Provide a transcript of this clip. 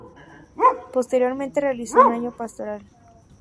Posteriormente realizó un año pastoral.